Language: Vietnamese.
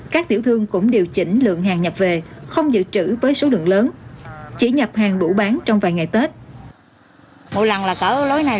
các tiểu thương cũng điều chỉnh lượng hàng nhập về không giữ trữ với số lượng lớn